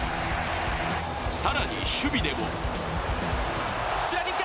更に、守備でも。